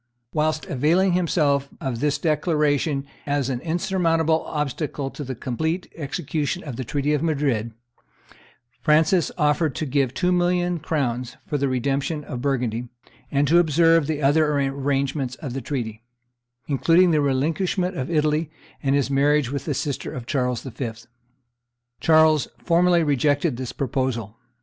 Whilst availing himself of this declaration as an insurmountable obstacle to the complete execution of the treaty of Madrid, Francis offered to give two million crowns for the redemption of Burgundy, and to observe the other arrangements of the treaty, including the relinquishment of Italy and his marriage with the sister of Charles V. Charles formally rejected this proposal.